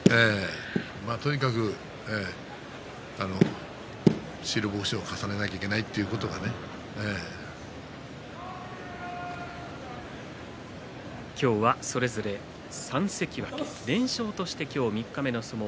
とにかく白星を重ねなければいけないと今日はそれぞれ３関脇４連勝として三日目の相撲